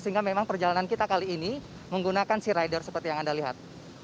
sehingga memang perjalanan kita kali ini menggunakan sea rider seperti yang anda lihat